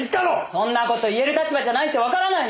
そんな事言える立場じゃないってわからないの？